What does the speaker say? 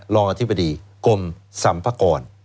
รองอธิบดีกรมสัมภากร